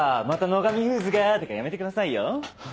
「また野上フーズが」とかやめてくださいよ。